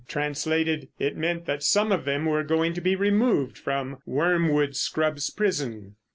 Translated, it meant that some of them were going to be removed from Wormwood Scrubbs prison.